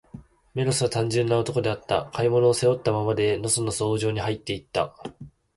メロスは、単純な男であった。買い物を、背負ったままで、のそのそ王城にはいって行った。